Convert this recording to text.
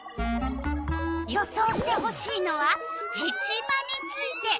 予想してほしいのは「ヘチマ」について。